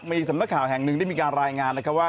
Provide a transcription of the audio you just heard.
มีสำนักข่าวแห่งหนึ่งได้มีการรายงานนะครับว่า